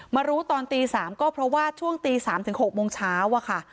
มารู้ตอนตี๓ก็เพราะว่าช่วงตี๓ถึง๖โมงเช้า